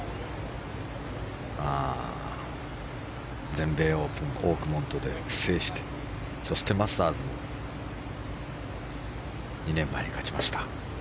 全米オープンをオークモントで制してそしてマスターズも２年前に勝ちました。